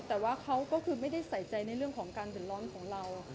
แต่ว่าเขาก็คือไม่ได้ใส่ใจในเรื่องของการเดือดร้อนของเรา